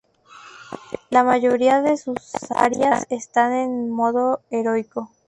La mayoría de sus arias están en el modo heroico.